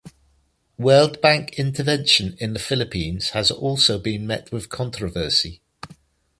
World Bank intervention in the Philippines has also been met with controversy.